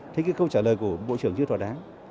thế cái câu trả lời của bộ trưởng chưa thỏa đáng